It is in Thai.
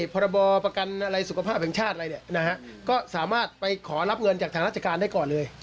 พรบประกันสุขภาพแผ่งชาติก็สามารถไปขอรับเงินจากทางรัฐการณ์ได้ก่อนเลย